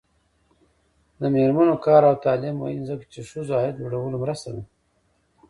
د میرمنو کار او تعلیم مهم دی ځکه چې ښځو عاید لوړولو مرسته ده.